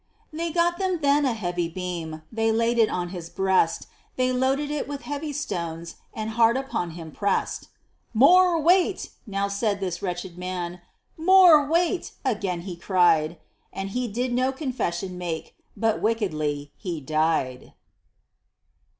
They got them then a heavy beam, They laid it on his breast; They loaded it with heavy stones, And hard upon him prest. "More weight!" now said this wretched man; "More weight!" again he cried; And he did no confession make, But wickedly he dyed.